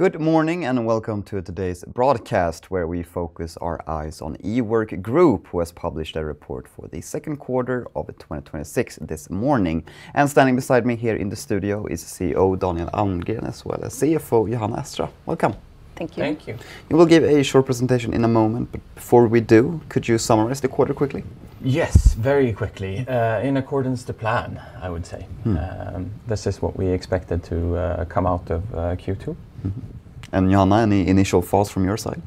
Good morning, welcome to today's broadcast, where we focus our eyes on Ework Group, who has published a report for the second quarter of 2026 this morning. Standing beside me here in the studio is CEO Daniel Almgren, as well as CFO Johanna Estra. Welcome. Thank you. Thank you. You will give a short presentation in a moment, before we do, could you summarize the quarter quickly? Yes, very quickly. In accordance to plan, I would say. This is what we expected to come out of Q2. Johanna, any initial thoughts from your side?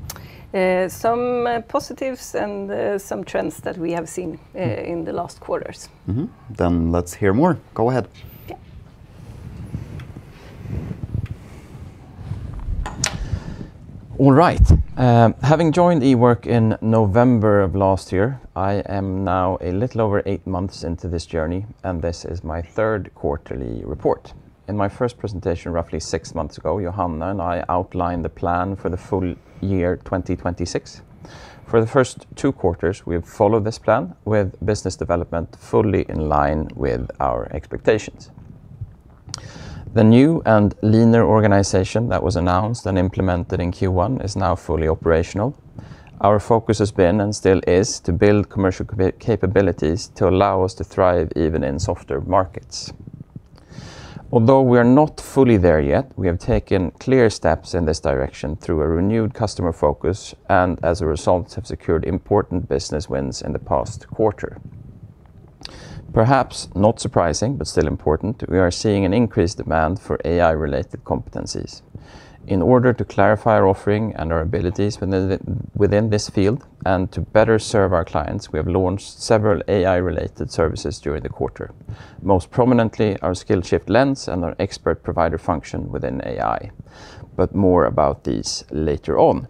Some positives and some trends that we have seen in the last quarters. Mm-hmm. Let's hear more. Go ahead. Yeah. All right. Having joined Ework in November of last year, I am now a little over eight months into this journey, and this is my third quarterly report. In my first presentation, roughly six months ago, Johanna and I outlined the plan for the full year 2026. For the first two quarters, we've followed this plan with business development fully in line with our expectations. The new and leaner organization that was announced and implemented in Q1 is now fully operational. Our focus has been, and still is, to build commercial capabilities to allow us to thrive even in softer markets. Although we are not fully there yet, we have taken clear steps in this direction through a renewed customer focus, and as a result, have secured important business wins in the past quarter. Perhaps not surprising, but still important, we are seeing an increased demand for AI-related competencies. In order to clarify our offering and our abilities within this field and to better serve our clients, we have launched several AI-related services during the quarter. Most prominently, our Skillshift Lens and our Expert Provider function within AI. More about these later on.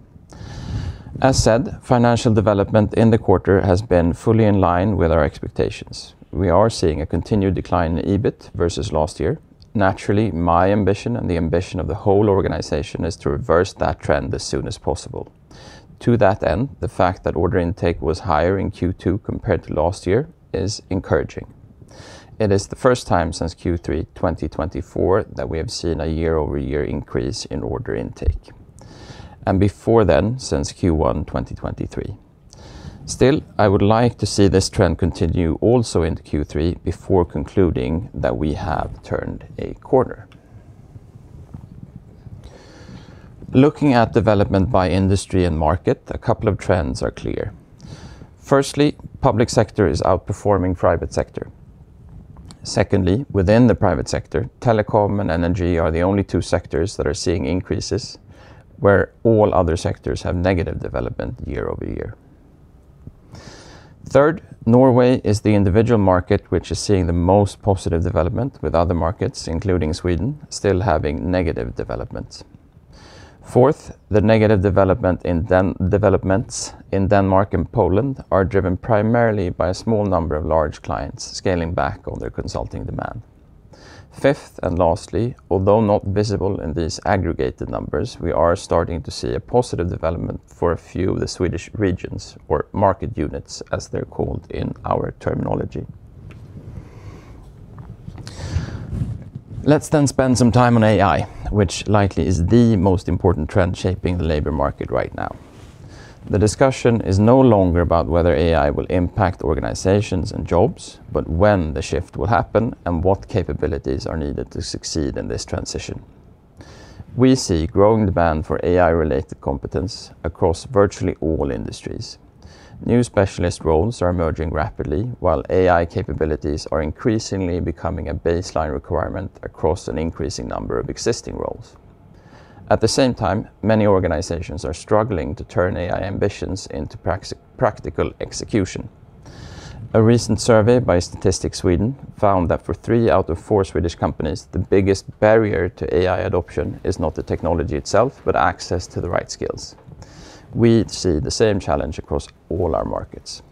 As said, financial development in the quarter has been fully in line with our expectations. We are seeing a continued decline in EBIT versus last year. Naturally, my ambition and the ambition of the whole organization is to reverse that trend as soon as possible. To that end, the fact that order intake was higher in Q2 compared to last year is encouraging. It is the first time since Q3 2024 that we have seen a year-over-year increase in order intake. Before then, since Q1 2023. Still, I would like to see this trend continue also into Q3 before concluding that we have turned a quarter. Looking at development by industry and market, a couple of trends are clear. Firstly, public sector is outperforming private sector. Secondly, within the private sector, telecom and energy are the only two sectors that are seeing increases, where all other sectors have negative development year-over-year. Third, Norway is the individual market which is seeing the most positive development with other markets, including Sweden, still having negative development. Fourth, the negative developments in Denmark and Poland are driven primarily by a small number of large clients scaling back on their consulting demand. Fifth and lastly, although not visible in these aggregated numbers, we are starting to see a positive development for a few of the Swedish regions or market units as they're called in our terminology. Let's spend some time on AI, which likely is the most important trend shaping the labor market right now. The discussion is no longer about whether AI will impact organizations and jobs, but when the shift will happen and what capabilities are needed to succeed in this transition. We see growing demand for AI-related competence across virtually all industries. New specialist roles are emerging rapidly, while AI capabilities are increasingly becoming a baseline requirement across an increasing number of existing roles. At the same time, many organizations are struggling to turn AI ambitions into practical execution. A recent survey by Statistics Sweden found that for three out of four Swedish companies, the biggest barrier to AI adoption is not the technology itself, but access to the right skills. We see the same challenge across all our markets.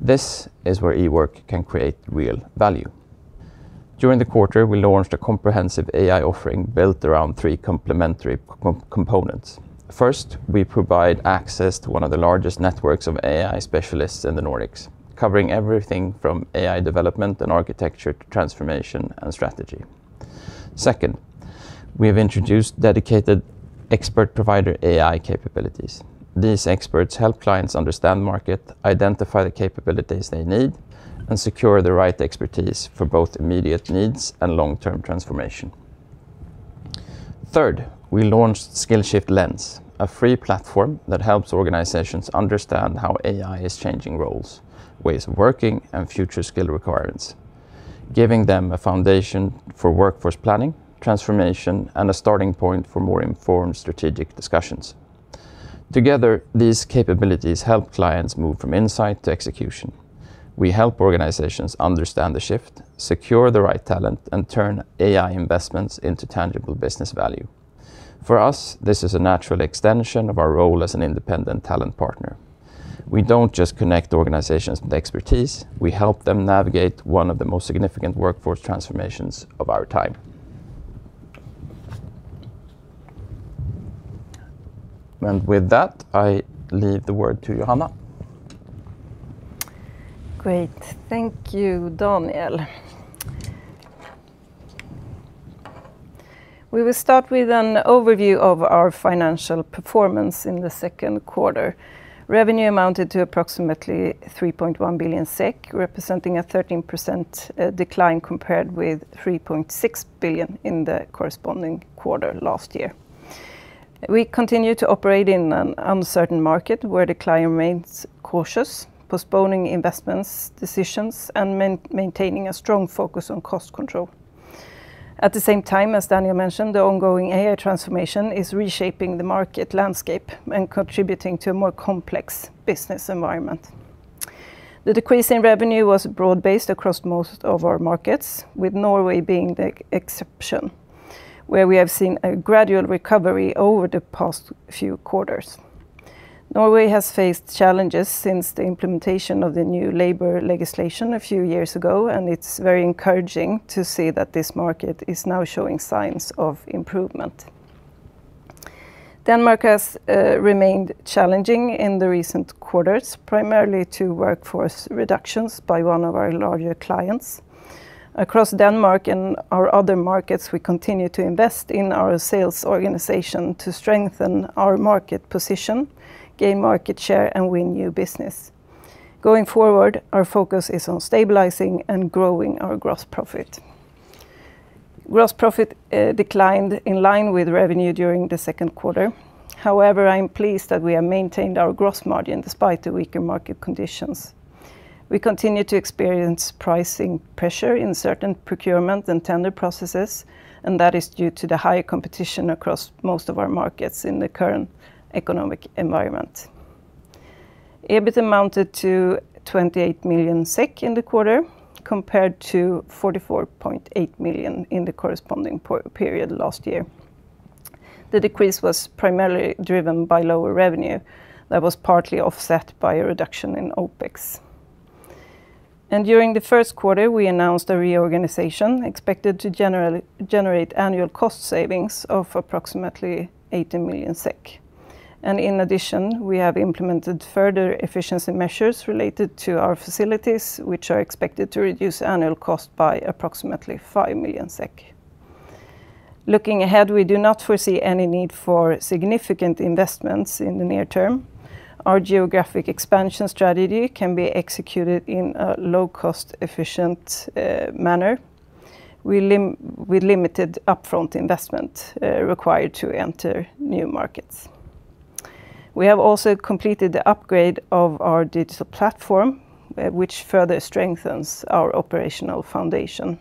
This is where Ework can create real value. During the quarter, we launched a comprehensive AI offering built around three complementary components. First, we provide access to one of the largest networks of AI specialists in the Nordics, covering everything from AI development and architecture to transformation and strategy. Second, we have introduced dedicated Expert Provider AI capabilities. These experts help clients understand market, identify the capabilities they need, and secure the right expertise for both immediate needs and long-term transformation. Third, we launched Skillshift Lens, a free platform that helps organizations understand how AI is changing roles, ways of working, and future skill requirements, giving them a foundation for workforce planning, transformation, and a starting point for more informed strategic discussions. Together, these capabilities help clients move from insight to execution. We help organizations understand the shift, secure the right talent, and turn AI investments into tangible business value. For us, this is a natural extension of our role as an independent talent partner. We don't just connect organizations with expertise. We help them navigate one of the most significant workforce transformations of our time. With that, I leave the word to Johanna. Great. Thank you, Daniel. We will start with an overview of our financial performance in the second quarter. Revenue amounted to approximately 3.1 billion SEK, representing a 13% decline compared with 3.6 billion in the corresponding quarter last year. We continue to operate in an uncertain market where the client remains cautious, postponing investments, decisions, and maintaining a strong focus on cost control. At the same time, as Daniel mentioned, the ongoing AI transformation is reshaping the market landscape and contributing to a more complex business environment. The decrease in revenue was broad based across most of our markets, with Norway being the exception, where we have seen a gradual recovery over the past few quarters. Norway has faced challenges since the implementation of the new labor legislation a few years ago. It's very encouraging to see that this market is now showing signs of improvement. Denmark has remained challenging in the recent quarters, primarily due to workforce reductions by one of our larger clients. Across Denmark and our other markets, we continue to invest in our sales organization to strengthen our market position, gain market share, and win new business. Going forward, our focus is on stabilizing and growing our gross profit. Gross profit declined in line with revenue during the second quarter. However, I am pleased that we have maintained our gross margin despite the weaker market conditions. We continue to experience pricing pressure in certain procurement and tender processes and that is due to the high competition across most of our markets in the current economic environment. EBIT amounted to 28 million SEK in the quarter, compared to 44.8 million in the corresponding period last year. The decrease was primarily driven by lower revenue that was partly offset by a reduction in OpEx. During the first quarter, we announced a reorganization expected to generate annual cost savings of approximately 80 million SEK. In addition, we have implemented further efficiency measures related to our facilities, which are expected to reduce annual cost by approximately 5 million SEK. Looking ahead, we do not foresee any need for significant investments in the near term. Our geographic expansion strategy can be executed in a low-cost, efficient manner with limited upfront investment required to enter new markets. We have also completed the upgrade of our digital platform, which further strengthens our operational foundation.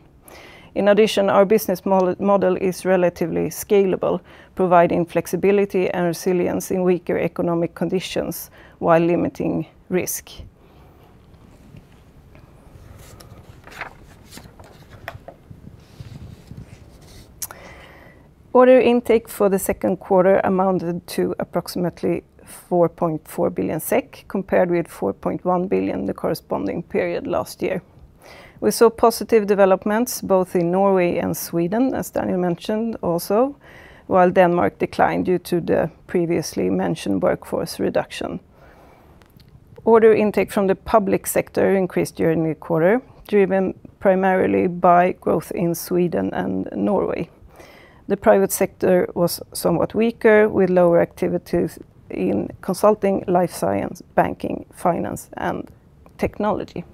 In addition, our business model is relatively scalable, providing flexibility and resilience in weaker economic conditions while limiting risk. Order intake for the second quarter amounted to approximately 4.4 billion SEK compared with 4.1 billion the corresponding period last year. We saw positive developments both in Norway and Sweden, as Daniel mentioned also, while Denmark declined due to the previously mentioned workforce reduction. Order intake from the public sector increased during the quarter, driven primarily by growth in Sweden and Norway. The private sector was somewhat weaker, with lower activities in consulting, life science, banking, finance, and technology.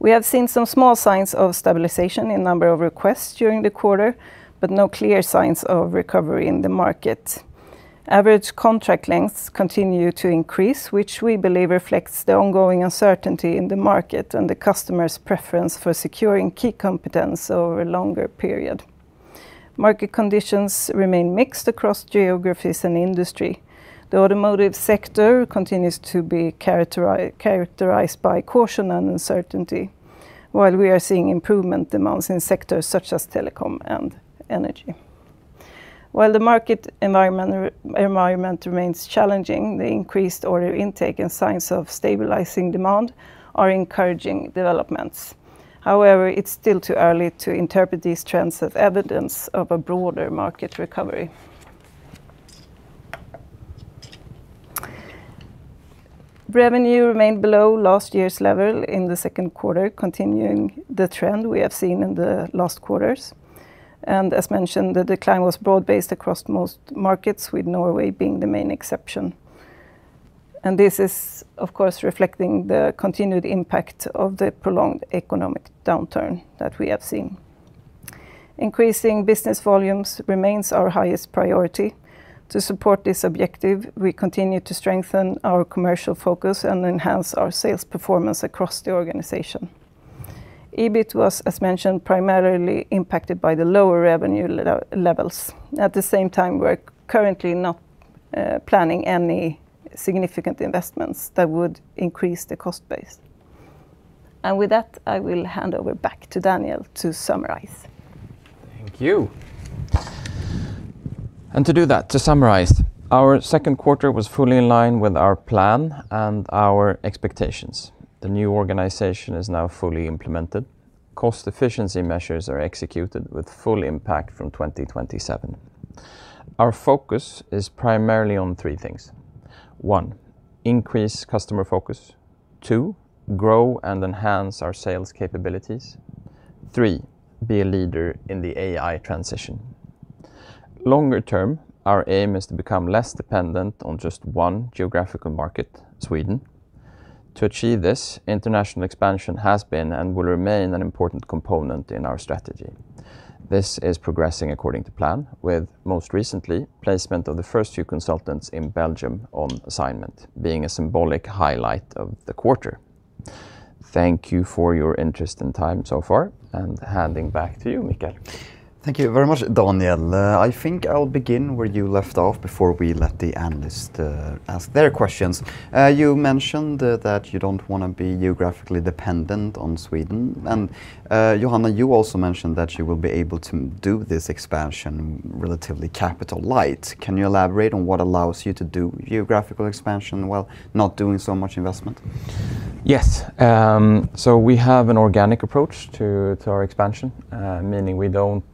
We have seen some small signs of stabilization in number of requests during the quarter, but no clear signs of recovery in the market. Average contract lengths continue to increase, which we believe reflects the ongoing uncertainty in the market and the customer's preference for securing key competence over a longer period. Market conditions remain mixed across geographies and industry. The automotive sector continues to be characterized by caution and uncertainty. While we are seeing improvement demands in sectors such as telecom and energy. While the market environment remains challenging, the increased order intake and signs of stabilizing demand are encouraging developments. However, it's still too early to interpret these trends as evidence of a broader market recovery. Revenue remained below last year's level in the second quarter, continuing the trend we have seen in the last quarters. As mentioned, the decline was broad based across most markets, with Norway being the main exception. This is, of course, reflecting the continued impact of the prolonged economic downturn that we have seen. Increasing business volumes remains our highest priority. To support this objective, we continue to strengthen our commercial focus and enhance our sales performance across the organization. EBIT was, as mentioned, primarily impacted by the lower revenue levels. At the same time, we're currently not planning any significant investments that would increase the cost base. And with that, I will hand over back to Daniel to summarize. Thank you. To do that, to summarize, our second quarter was fully in line with our plan and our expectations. The new organization is now fully implemented. Cost efficiency measures are executed with full impact from 2027. Our focus is primarily on three things. One, increase customer focus. Two, grow and enhance our sales capabilities. Three, be a leader in the AI transition. Longer term, our aim is to become less dependent on just one geographical market, Sweden. To achieve this, international expansion has been and will remain an important component in our strategy. This is progressing according to plan with most recently placement of the first two consultants in Belgium on assignment being a symbolic highlight of the quarter. Thank you for your interest and time so far, handing back to you, Mikael. Thank you very much, Daniel. I think I'll begin where you left off before we let the analysts ask their questions. You mentioned that you don't want to be geographically dependent on Sweden. Johanna, you also mentioned that you will be able to do this expansion relatively capital light. Can you elaborate on what allows you to do geographical expansion while not doing so much investment? Yes. We have an organic approach to our expansion, meaning we don't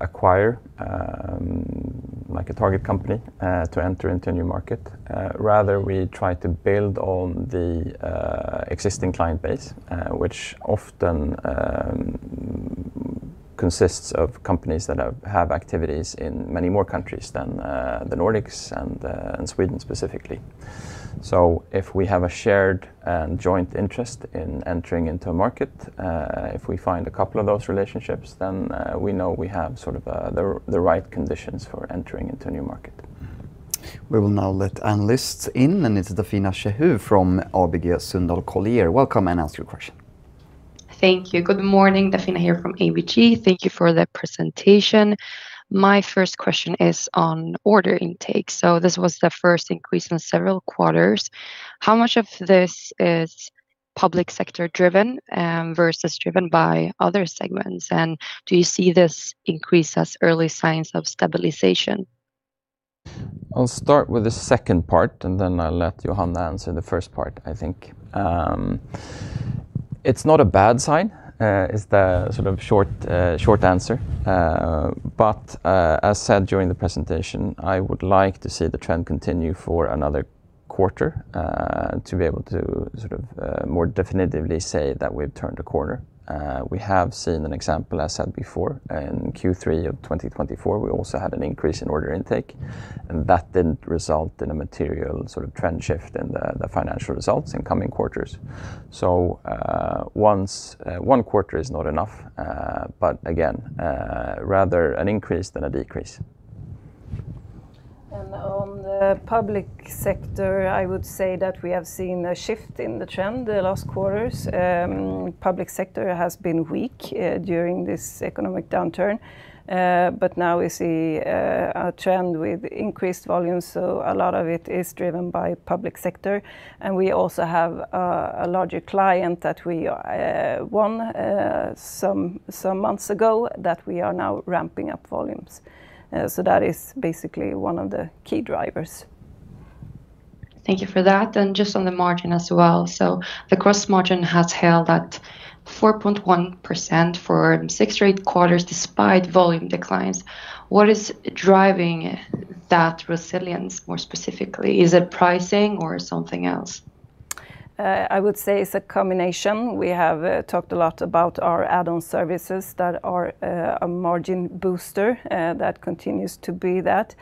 acquire a target company to enter into a new market. Rather, we try to build on the existing client base, which often consists of companies that have activities in many more countries than the Nordics and Sweden specifically. If we have a shared and joint interest in entering into a market, if we find a couple of those relationships, then we know we have the right conditions for entering into a new market. We will now let analysts in, it's Dafina Shehu from ABG Sundal Collier. Welcome, ask your question. Thank you. Good morning. Dafina here from ABG. Thank you for the presentation. My first question is on order intake. This was the first increase in several quarters. How much of this is public sector driven versus driven by other segments, do you see this increase as early signs of stabilization? I'll start with the second part, I'll let Johanna answer the first part, I think. It's not a bad sign is the short answer. As said during the presentation, I would like to see the trend continue for another quarter to be able to more definitively say that we've turned a quarter. We have seen an example, as said before, in Q3 of 2024, we also had an increase in order intake, that didn't result in a material trend shift in the financial results in coming quarters. One quarter is not enough, but again, rather an increase than a decrease. On the public sector, I would say that we have seen a shift in the trend the last quarters. Public sector has been weak during this economic downturn. Now we see a trend with increased volumes, a lot of it is driven by public sector, we also have a larger client that we won some months ago that we are now ramping up volumes. That is basically one of the key drivers. Thank you for that. Just on the margin as well. The gross margin has held at 4.1% for six straight quarters despite volume declines. What is driving that resilience more specifically? Is it pricing or something else? I would say it's a combination. We have talked a lot about our add-on services that are a margin booster, that continues to be that.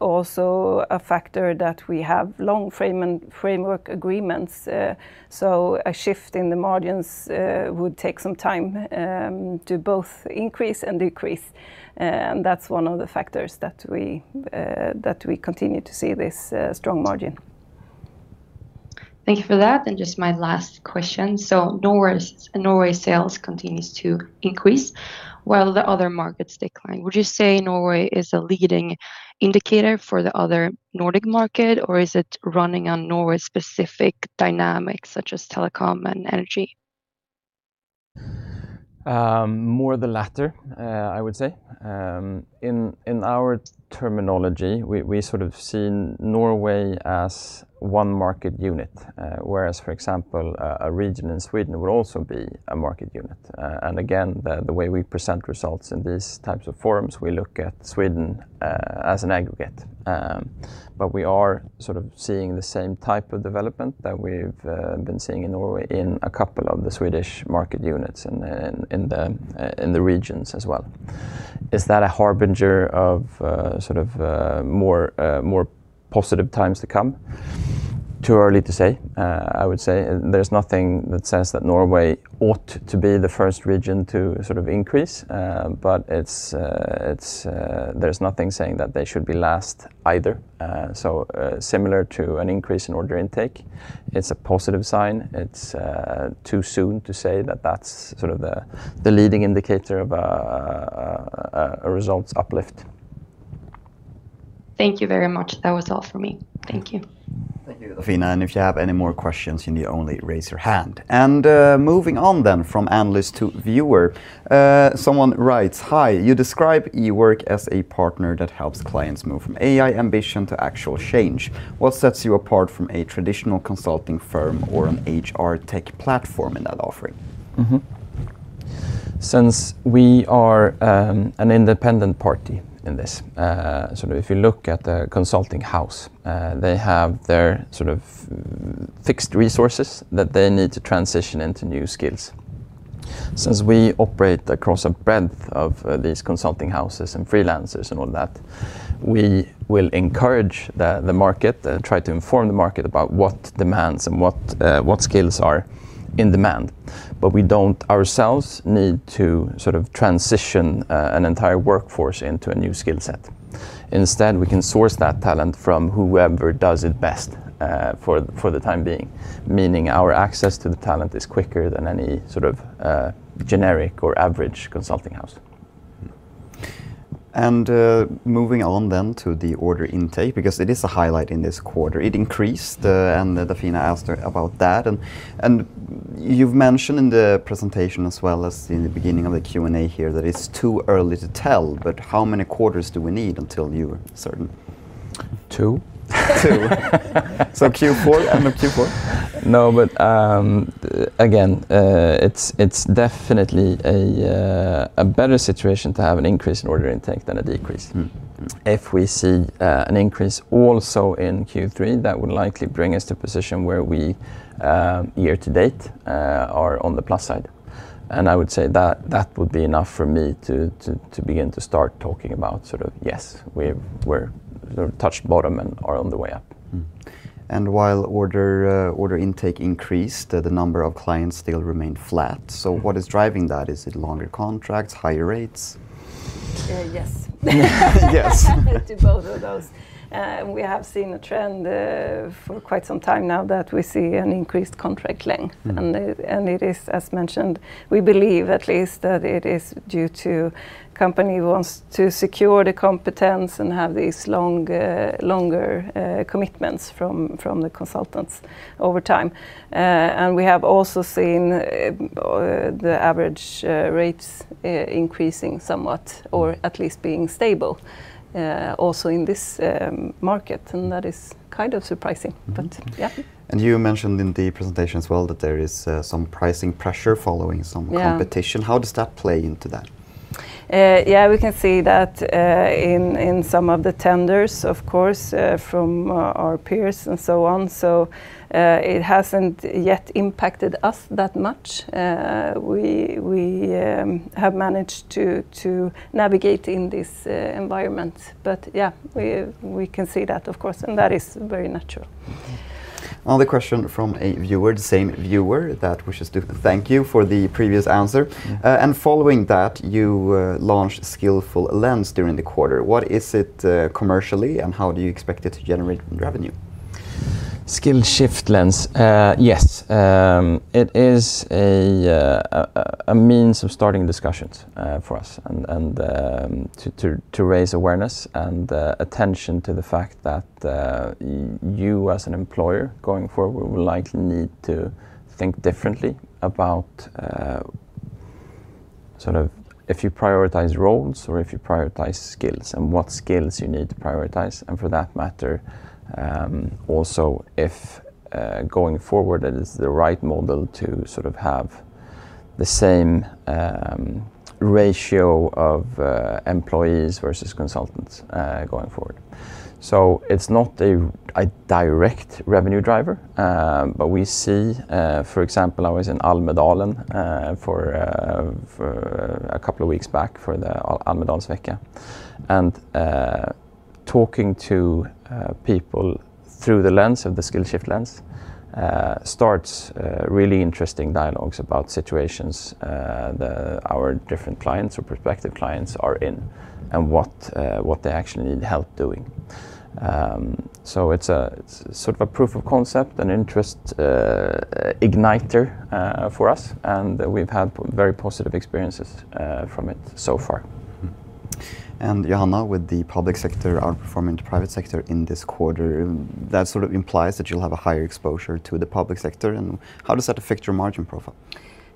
Also a factor that we have long framework agreements. A shift in the margins would take some time to both increase and decrease. That's one of the factors that we continue to see this strong margin. Thank you for that. Just my last question. Norway sales continues to increase while the other markets decline. Would you say Norway is a leading indicator for the other Nordic market, or is it running on Norway-specific dynamics such as telecom and energy? More the latter, I would say. In our terminology, we sort of see Norway as one market unit, whereas, for example, a region in Sweden would also be a market unit. Again, the way we present results in these types of forums, we look at Sweden as an aggregate. We are seeing the same type of development that we've been seeing in Norway in a couple of the Swedish market units in the regions as well. Is that a harbinger of more positive times to come? Too early to say, I would say. There's nothing that says that Norway ought to be the first region to increase, but there's nothing saying that they should be last either. Similar to an increase in order intake, it's a positive sign. It's too soon to say that that's the leading indicator of a results uplift. Thank you very much. That was all for me. Thank you. Thank you, Dafina. If you have any more questions, you need only raise your hand. Moving on then from analyst to viewer. Someone writes, "Hi. You describe Ework as a partner that helps clients move from AI ambition to actual change. What sets you apart from a traditional consulting firm or an HR tech platform in that offering? Since we are an independent party in this, if you look at the consulting house, they have their fixed resources that they need to transition into new skills. Since we operate across a breadth of these consulting houses and freelancers and all that, we will encourage the market and try to inform the market about what demands and what skills are in demand. We don't ourselves need to transition an entire workforce into a new skill set. Instead, we can source that talent from whoever does it best for the time being, meaning our access to the talent is quicker than any sort of generic or average consulting house. Moving on then to the order intake, because it is a highlight in this quarter. It increased, and Dafina asked about that. You've mentioned in the presentation as well as in the beginning of the Q&A here that it's too early to tell, but how many quarters do we need until you are certain? Two. Two. Q4, end of Q4. No, again, it's definitely a better situation to have an increase in order intake than a decrease. If we see an increase also in Q3, that would likely bring us to a position where we, year to date, are on the plus side. I would say that would be enough for me to begin to start talking about sort of yes, we've touched bottom and are on the way up. Mm-hmm. While order intake increased, the number of clients still remained flat. What is driving that? Is it longer contracts, higher rates? Yes. Yes. To both of those. We have seen a trend for quite some time now that we see an increased contract length. It is, as mentioned, we believe at least that it is due to company wants to secure the competence and have these longer commitments from the consultants over time. We have also seen the average rates increasing somewhat, or at least being stable also in this market. That is kind of surprising. Yeah. You mentioned in the presentation as well that there is some pricing pressure following some- Yeah. competition. How does that play into that? Yeah, we can see that in some of the tenders, of course, from our peers and so on. It hasn't yet impacted us that much. We have managed to navigate in this environment. Yeah, we can see that, of course, and that is very natural. Another question from a viewer, the same viewer that wishes to thank you for the previous answer. Following that, you launched Skillshift Lens during the quarter. What is it commercially, and how do you expect it to generate revenue? Skillshift Lens. Yes. It is a means of starting discussions for us and to raise awareness and attention to the fact that you as an employer going forward will likely need to think differently about if you prioritize roles or if you prioritize skills, and what skills you need to prioritize. For that matter, also if going forward, it is the right model to have the same ratio of employees versus consultants going forward. It's not a direct revenue driver. We see, for example, I was in Almedalen a couple of weeks back for the Almedalsveckan, and talking to people through the lens of the Skillshift Lens starts really interesting dialogues about situations our different clients or prospective clients are in and what they actually need help doing. It's a proof of concept and interest igniter for us. We've had very positive experiences from it so far. Mm-hmm. Johanna, with the public sector outperforming the private sector in this quarter, that sort of implies that you'll have a higher exposure to the public sector, how does that affect your margin profile?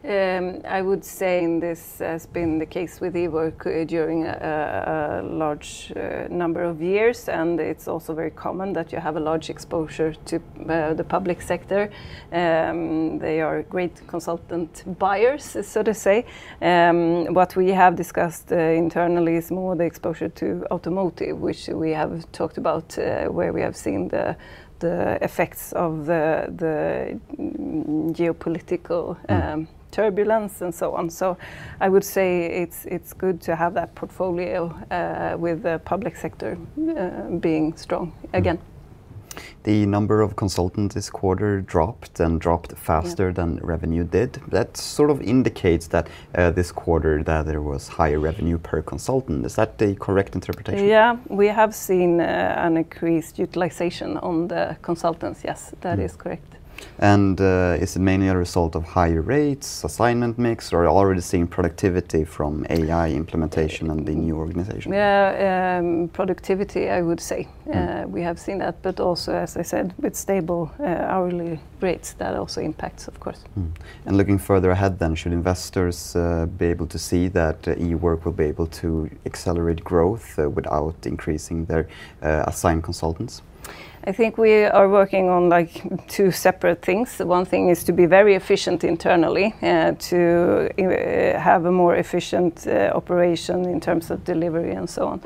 I would say this has been the case with Ework during a large number of years, and it's also very common that you have a large exposure to the public sector. They are great consultant buyers, so to say. What we have discussed internally is more the exposure to automotive, which we have talked about where we have seen the effects of the geopolitical turbulence and so on. I would say it's good to have that portfolio with the public sector being strong again. The number of consultants this quarter dropped and dropped faster than revenue did. That sort of indicates that this quarter that there was higher revenue per consultant. Is that a correct interpretation? Yeah. We have seen an increased utilization on the consultants. Yes, that is correct. Is it mainly a result of higher rates, assignment mix, or are you already seeing productivity from AI implementation and the new organization? Yeah. Productivity, I would say. We have seen that, also, as I said, with stable hourly rates, that also impacts, of course. Looking further ahead, should investors be able to see that Ework will be able to accelerate growth without increasing their assigned consultants? I think we are working on two separate things. One thing is to be very efficient internally to have a more efficient operation in terms of delivery and so on.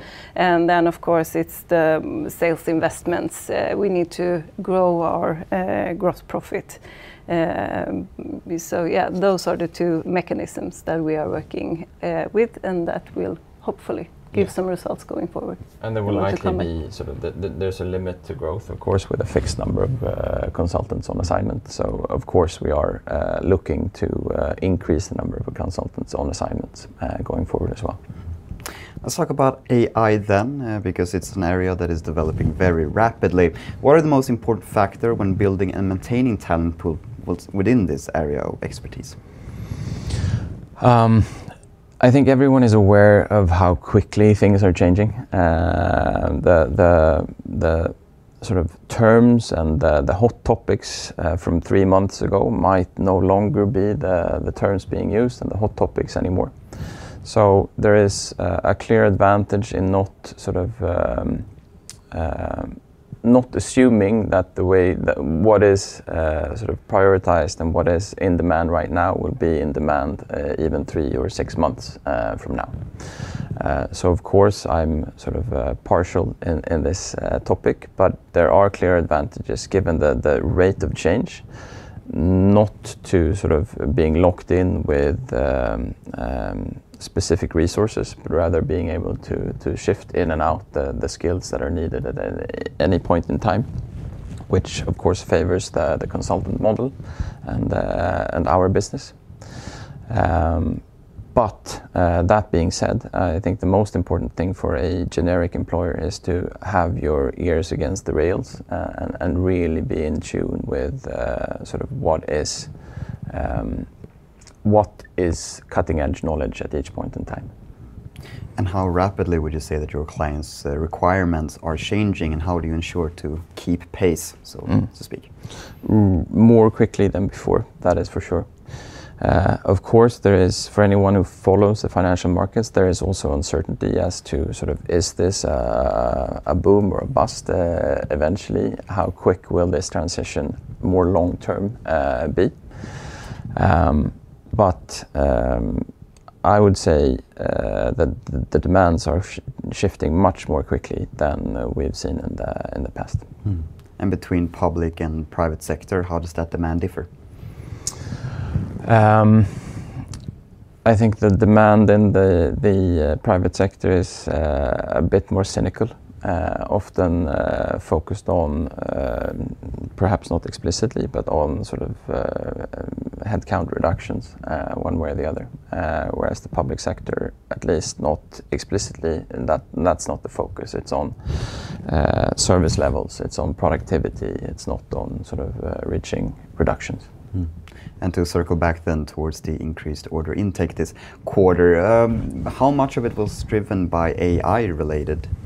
Then, of course, it's the sales investments. We need to grow our gross profit. Yeah, those are the two mechanisms that we are working with, and that will hopefully give some results going forward. There is a limit to growth, of course, with a fixed number of consultants on assignment. Of course, we are looking to increase the number of consultants on assignments going forward as well. Let's talk about AI then, because it's an area that is developing very rapidly. What are the most important factor when building and maintaining talent pool within this area of expertise? I think everyone is aware of how quickly things are changing. The terms and the hot topics from three months ago might no longer be the terms being used and the hot topics anymore. There is a clear advantage in not assuming that what is prioritized and what is in demand right now will be in demand even three or six months from now. Of course, I'm partial in this topic, but there are clear advantages given the rate of change, not to being locked in with specific resources, but rather being able to shift in and out the skills that are needed at any point in time, which, of course, favors the consultant model and our business. That being said, I think the most important thing for a generic employer is to have your ears against the rails and really be in tune with what is cutting-edge knowledge at each point in time. How rapidly would you say that your clients' requirements are changing, and how do you ensure to keep pace, so to speak? More quickly than before, that is for sure. Of course, for anyone who follows the financial markets, there is also uncertainty as to, is this a boom or a bust eventually? How quick will this transition, more long term, be? I would say that the demands are shifting much more quickly than we have seen in the past. Between public and private sector, how does that demand differ? I think the demand in the private sector is a bit more cynical, often focused on, perhaps not explicitly, but on headcount reductions one way or the other. Whereas the public sector, at least not explicitly, and that's not the focus. It's on service levels. It's on productivity. It's not on reaching reductions. To circle back then towards the increased order intake this quarter, how much of it was driven by AI-related assignments?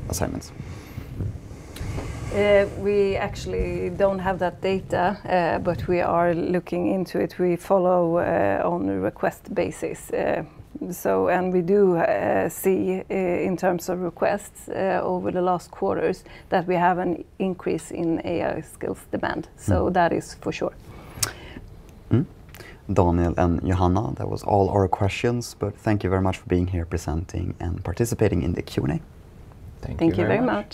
We actually don't have that data, but we are looking into it. We follow on a request basis. We do see, in terms of requests over the last quarters, that we have an increase in AI skills demand. That is for sure. Daniel and Johanna, that was all our questions, but thank you very much for being here presenting and participating in the Q&A. Thank you very much.